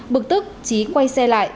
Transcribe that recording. bực tức trí quay xe lại